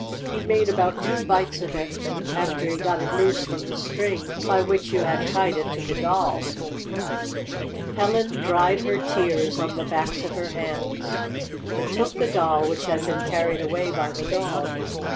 "He made about two bites of it, after he got it loose from the string by which you had tied it to the doll." Helen dried her tears on the backs of her hands, and took the doll which had been carried away by the dog.